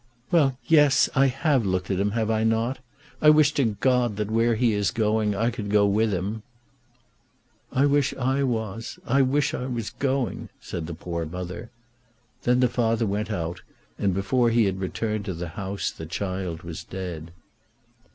"Well; yes. I have looked at him, have I not? I wish to God that where he is going I could go with him." "I wish I was; I wish I was going," said the poor mother. Then the father went out, and before he had returned to the house the child was dead.